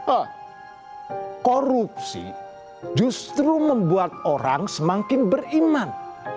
oh korupsi justru membuat orang semakin beriman